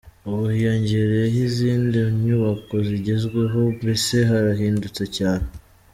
Ubu hiyongereyemo izindi nyubako zigezweho, mbese harahindutse cyane.